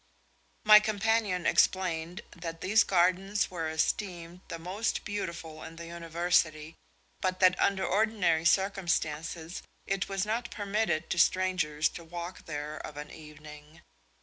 My companion explained that these gardens were esteemed the most beautiful in the University, but that under ordinary circumstances it was not permitted to strangers to walk there of an evening.